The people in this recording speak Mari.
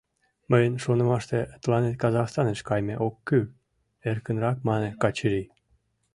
— Мыйын шонымаште, тыланет Казахстаныш кайме ок кӱл, — эркынрак мане Качырий.